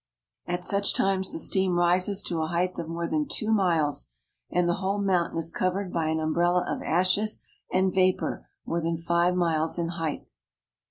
At such times the steam rises to a height of more than two miles, and the whole moun tain is covered by an umbrella of ashes and vapor more than five miles in height.